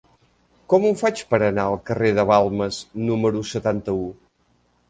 Com ho faig per anar al carrer de Balmes número setanta-u?